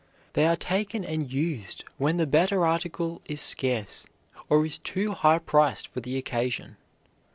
They are taken and used when the better article is scarce or is too high priced for the occasion.